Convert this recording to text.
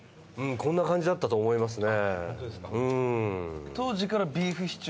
こんな感じだったと思いますね。